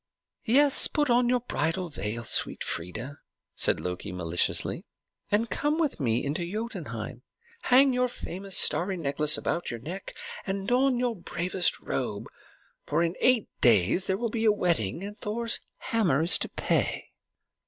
"Yes; put on your bridal veil, sweet Freia," said Loki maliciously, "and come with me to Jotunheim. Hang your famous starry necklace about your neck, and don your bravest robe; for in eight days there will be a wedding, and Thor's hammer is to pay."